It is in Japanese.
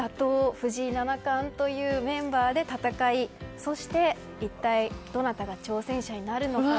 藤井七冠というメンバーで戦い、そして一体どなたが挑戦者になるのか。